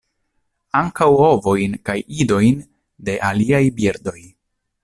Ankaŭ ovojn kaj idojn de aliaj birdoj.